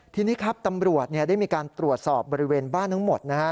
ทีนี้ครับตำรวจได้มีการตรวจสอบบริเวณบ้านทั้งหมดนะฮะ